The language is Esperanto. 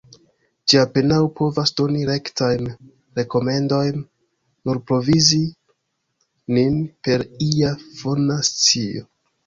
Ĝi apenaŭ povas doni rektajn rekomendojn; nur provizi nin per ia fona scio.